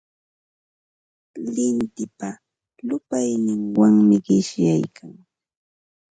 Lintipa llupayninwanmi qishyaykan.